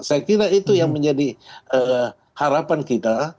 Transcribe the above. saya kira itu yang menjadi harapan kita